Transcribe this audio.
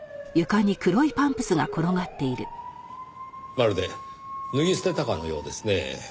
まるで脱ぎ捨てたかのようですね。